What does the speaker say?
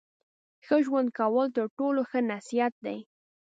ښه ژوند کول تر ټولو ښه نصیحت دی.